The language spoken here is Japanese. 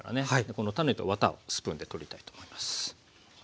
この種とワタをスプーンで取りたいと思います。